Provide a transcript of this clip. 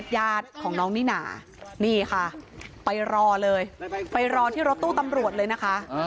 ญาติของน้องนิน่านี่ค่ะไปรอเลยไปรอที่รถตู้ตำรวจเลยนะคะ